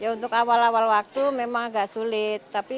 untuk awal awal waktu memang agak sulit